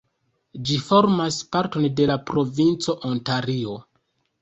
Ĝi formas parton de la provinco Ontario.